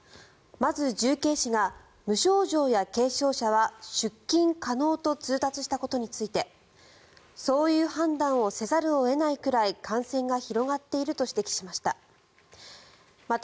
まず、重慶市が無症状や軽症者は出勤可能と通達したことについてそういう判断をせざるを得ないくらい感染が広がっていると指摘しました。